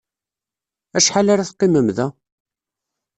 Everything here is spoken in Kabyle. Acḥal ara teqqimem da?